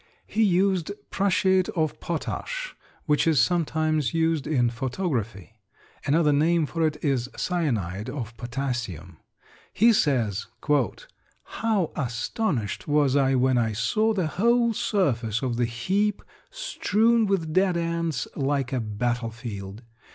He used prussiate of potash which is sometimes used in photography. Another name for it is cyanide of potassium. He says, "How astonished was I when I saw the whole surface of the heap strewn with dead ants like a battle field.